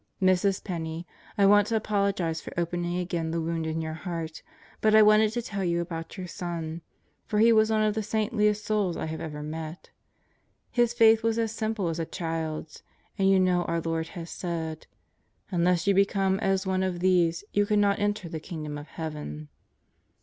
Mrs. Penney, I want to apologize for opening again the wound in your heart, but I wanted to tell you about your son; for he was one of the saintliest souls I have met. His faith was as simple as a child's, and you know our Lord has said: "Unless you become as one of these, you cannot enter the Kingdom of Heaven."